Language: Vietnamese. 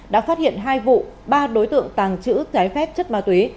đã phát hiện hai vụ ba đối tượng tàng trữ trái phép chất ma túy